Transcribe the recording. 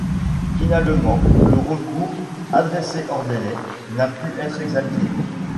Finalement, le recours, adressé hors délai, n’a pu être examiné.